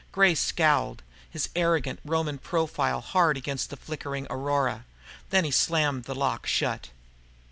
Gray scowled, his arrogant Roman profile hard against the flickering aurora. Then he slammed the lock shut.